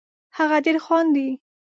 هغه ډېر خاندي